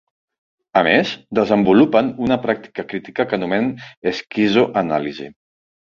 A més, desenvolupen una pràctica crítica que anomenen esquizo-anàlisi.